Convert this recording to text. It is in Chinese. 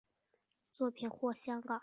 作品获香港文化博物馆作永久收藏。